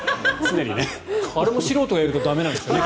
あれも素人がやると駄目なんですかね。